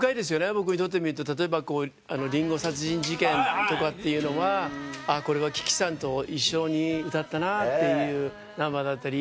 僕にとってみると例えば『林檎殺人事件』とかっていうのはこれは樹木さんと一緒に歌ったなっていうナンバーだったり。